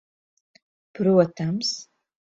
Protams.